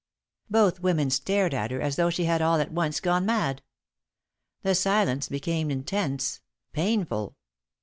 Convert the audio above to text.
Both women stared at her as though she had all at once gone mad. The silence became intense, painful.